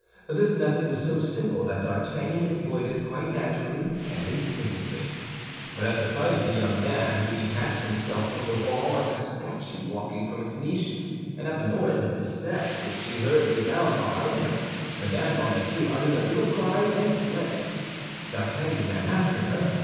This method was so simple that D'Artagnan employed it quite naturally and instinctively. But at the sight of the young man, who detached himself from the wall like a statue walking from its niche, and at the noise of the steps which she heard resound behind her, Mme. Bonacieux uttered a little cry and fled. D'Artagnan ran after her.